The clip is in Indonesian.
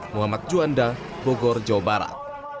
muhammad juanda bogor jawa barat